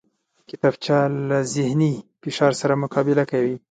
کتابچه له ذهني فشار سره مقابله کوي